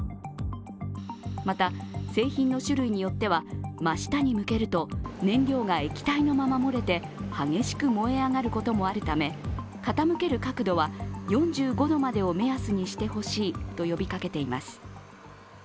また製品の種類によっては真下に向けると燃料が液体のまま漏れて激しく燃え上がることもあるため、傾ける角度は４５度までを目安にしてほしいと呼びかけています。